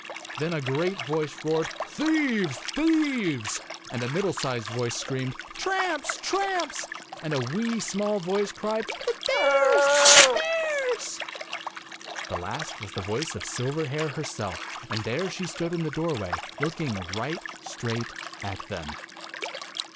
Then a great voice roared, 4 Thieves ! Thieves !' and a middle sized voice screamed, 'Tramps! Tramps!' and a wee, small voice cried, ' The bears ! The bears !' The last was the voice of Silverhair herself, and there she stood in the doorway, looking right straight at them.